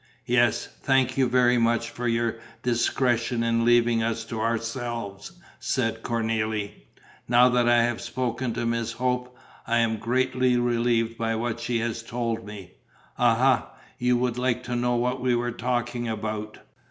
"Yes; thank you very much for your discretion in leaving us to ourselves," said Cornélie. "Now that I have spoken to Miss Hope, I am greatly relieved by what she has told me. Aha, you would like to know what we were talking about!"